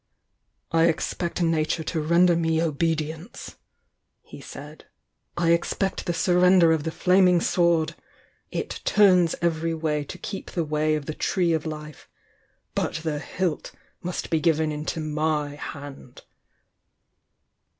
"I expect Nature t» render me obedience!" he said. "I expect the surrender of the Flaming Sword! It 'turns every way to keep the way of the Tree of Life'— but the hilt must be given into my hand!"